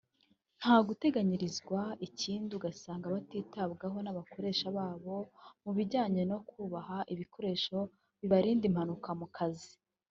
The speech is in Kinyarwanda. nta guteganyirizwa ikindi ugasanga batitabwaho n’abakoresha babo mu bijyanye no kubaha ibikoresho bibarinda impanuka mu kazi